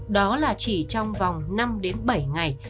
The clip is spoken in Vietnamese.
đó là chỉ trong vòng năm đến bảy ngày